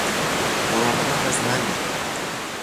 مراقبت از منه